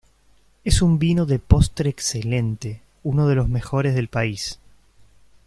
Es un vino de postre excelente, uno de los mejores del país.